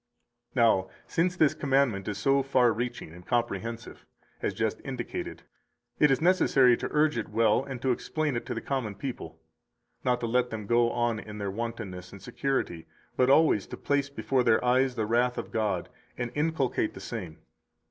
232 Now, since this commandment is so far reaching [and comprehensive], as just indicated, it is necessary to urge it well and to explain it to the common people, not to let them go on in their wantonness and security, but always to place before their eyes the wrath of God, and inculcate the same.